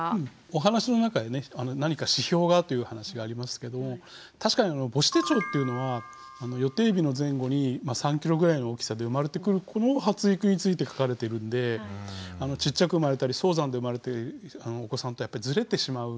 お話の中でね何か指標がという話がありますけど確かに母子手帳っていうのは予定日の前後に３キロぐらいの大きさで生まれてくる子の発育について書かれているんでちっちゃく生まれたり早産で生まれたお子さんとずれてしまうんですね。